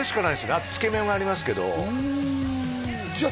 あとつけ麺はありますけどじゃあ